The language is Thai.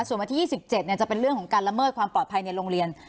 ส่วนวันที่๒๗จะเป็นเรื่องของการละเมิดความปลอดภัยในโรงเรียน